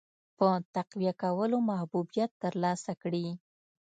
په تقویه کولو محبوبیت ترلاسه کړي.